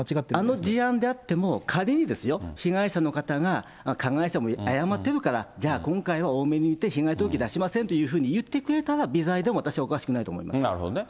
あの事案であっても、仮にですよ、被害者の方が、加害者も謝ってるから、じゃあ、今回は大目に見て被害届出しませんって言ってくれたら、微罪でもなるほどね。